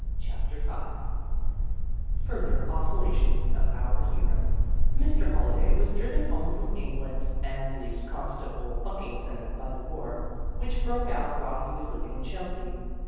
CHAPTER V (FURTHER OSCILLATIONS OF OUR HERO) Mr. Holliday was driven home from England and Police Constable Buckington by the war, which broke out while he was living in Chelsea.